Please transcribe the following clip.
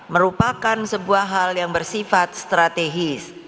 merupakan sebuah hal yang bersifat strategis